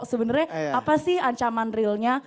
sebenarnya apa sih ancaman realnya